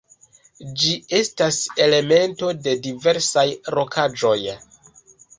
Ĝi estas elemento de diversaj rokaĵoj.